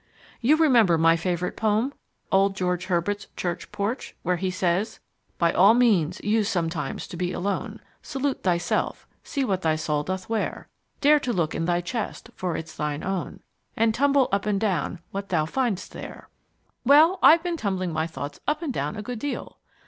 You remember my favourite poem old George Herbert's Church Porch where he says By all means use sometimes to be alone; Salute thyself; see what thy soul doth wear; Dare to look in thy chest, for 'tis thine own, And tumble up and down what thou find'st there Well, I've been tumbling my thoughts up and down a good deal.